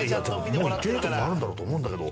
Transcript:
もう行ってねえとこもあるんだろうと思うんだけど。